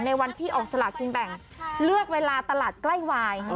ในวันที่ออกสลากินแบ่งเลือกเวลาตลาดใกล้วาย